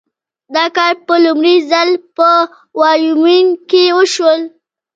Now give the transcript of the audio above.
دا کار په لومړي ځل په وایومینګ کې وشو.